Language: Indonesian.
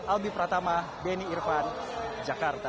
albi pratama beni irfan jakarta